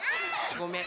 ごめん。